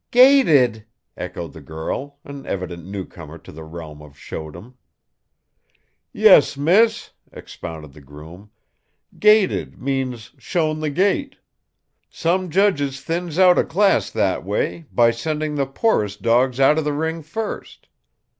"Gated?" echoed the girl an evident newcomer to the realm of showdom. "Yes, Miss," expounded the groom. "'Gated' means 'shown the gate.' Some judges thins out a class that way, by sending the poorest dogs out of the ring first.